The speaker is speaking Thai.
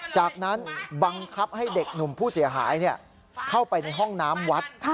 จากนั้นบังคับให้เด็กหนุ่มผู้เสียหายเข้าไปในห้องน้ำวัด